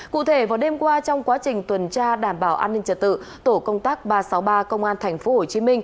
cụ thể vào đêm qua trong quá trình tuần tra đảm bảo an ninh trật tự tổ công tác ba trăm sáu mươi ba công an tp hcm